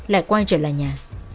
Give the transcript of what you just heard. lại quay trở lại nhà